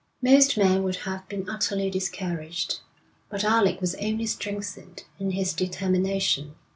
Most men would have been utterly discouraged, but Alec was only strengthened in his determination.